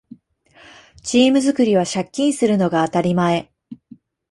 チーム作りは借金するのが当たり前